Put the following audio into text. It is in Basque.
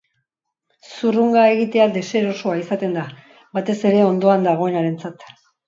Zurrunga egitea deserosoa izaten da, batez ere ondoan dagoenarentzat.